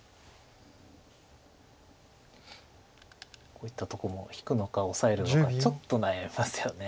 こういったとこも引くのかオサえるのかちょっと悩みますよね。